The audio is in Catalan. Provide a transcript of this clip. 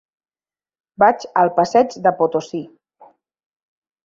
Vaig al passeig de Potosí.